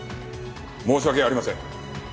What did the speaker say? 申し訳ありません。